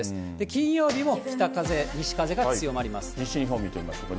金曜日も北風、西日本見てみましょうか。